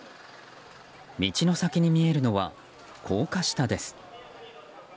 道の先に見えるのは高架下です。